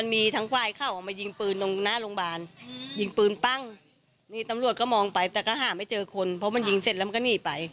นี่ตำรวจก็มองไปแต่ก็ห้ามไม่เจอคนเพราะมันยิงเสร็จแล้วมันก็หนีไป